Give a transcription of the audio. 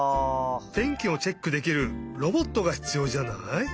てんきをチェックできるロボットがひつようじゃない？